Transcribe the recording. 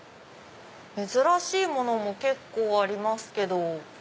珍しいものも結構ありますけど。